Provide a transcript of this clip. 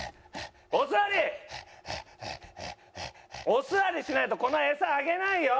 おすわりしないとこのエサあげないよ！